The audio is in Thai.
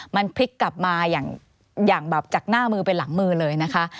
มันพลิกกลับมาอย่างแบบจากหน้ามือไปหลังมือเลยนะคะ